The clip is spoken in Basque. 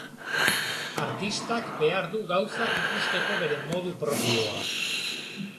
Artistak behar du gauzak ikusteko bere modu propioa.